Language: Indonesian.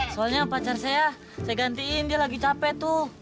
soalnya pacar saya saya gantiin dia lagi capek tuh